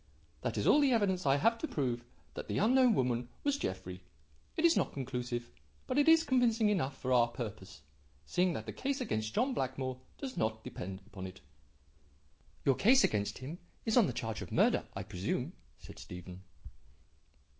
That is all the evidence I have to prove that the unknown woman was Jeffrey. It is not conclusive but it is convincing enough for our purpose, seeing that the case against John Blackmore does not depend upon it." "Your case against him is on the charge of murder, I presume?" said Stephen.